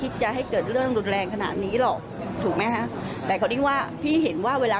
ส่งนิ้วกลางในห้องสาร